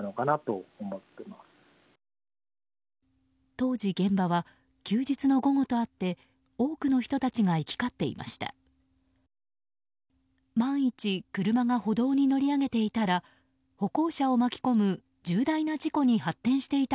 当時、現場は休日の午後とあって多くの人たちが行き交っていました。